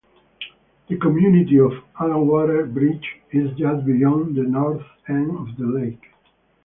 The community of Allanwater Bridge is just beyond the north end of the lake.